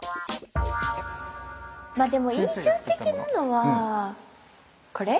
まあでも印象的なのはこれ？